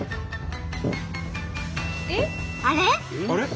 あれ？